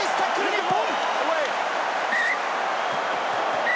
日本！